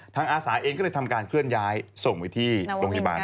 อาสาเองก็เลยทำการเคลื่อนย้ายส่งไปที่โรงพยาบาล